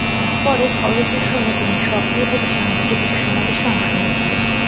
পরে কলেজের সময়ে তিনি সক্রিয়ভাবে সাংস্কৃতিক সমাবেশে অংশ নিয়েছিলেন।